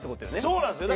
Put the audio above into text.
そうなんですよ！